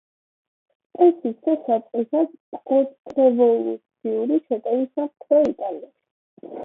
ეს იქცა საწყისად კონტრრევოლუციური შეტევისა მთელ იტალიაში.